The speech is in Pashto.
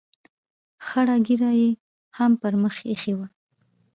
خړه ږیره یې هم پر مخ اېښې وه.